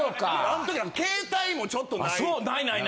あん時携帯もちょっとない。